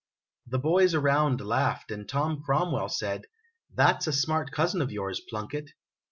The boys around laughed, and Tom Cromwell said: "That 's a smart cousin of yours, Plunkett